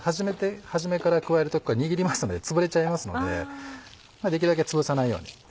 初めから加えると握りますとつぶれちゃいますのでできるだけつぶさないように。